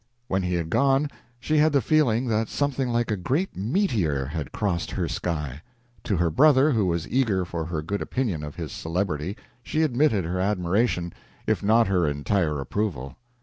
When he had gone, she had the feeling that something like a great meteor had crossed her sky. To her brother, who was eager for her good opinion of his celebrity, she admitted her admiration, if not her entire approval.